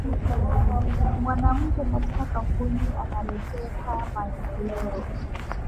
Mwanamuke katika kampuni analeteka maendeleo